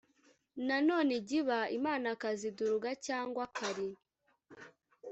nanone ijya iba imanakazi duruga cyangwa kali